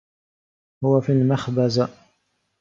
هو في المخبزة.